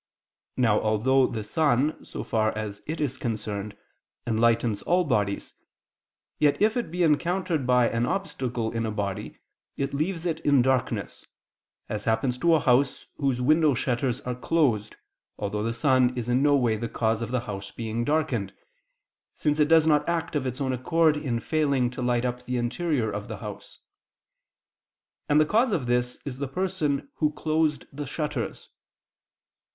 Now although the sun, so far as it is concerned, enlightens all bodies, yet if it be encountered by an obstacle in a body, it leaves it in darkness, as happens to a house whose window shutters are closed, although the sun is in no way the cause of the house being darkened, since it does not act of its own accord in failing to light up the interior of the house; and the cause of this is the person who closed the shutters.